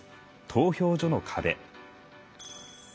投票所の壁。